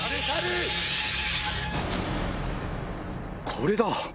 これだ！